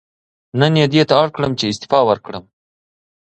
نن یې دې ته اړ کړم چې استعفا ورکړم.